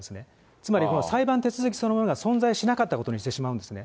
つまり、裁判手続きそのものが存在しなかったことにしてしまうんですね。